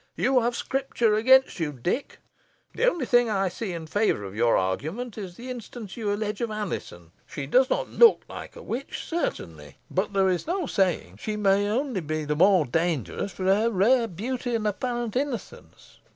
"You have Scripture against you, Dick. The only thing I see in favour of your argument is, the instance you allege of Alizon. She does not look like a witch, certainly; but there is no saying. She may be only the more dangerous for her rare beauty, and apparent innocence!"